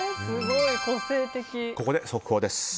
ここで速報です。